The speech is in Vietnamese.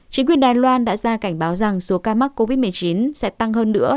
chính quyền đài loan đã ra cảnh báo rằng số ca mắc covid một mươi chín sẽ tăng hơn nữa